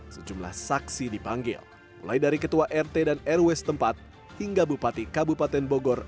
sejumlah saksi dipanggil mulai dari ketua rt dan rw setempat hingga bupati kabupaten bogor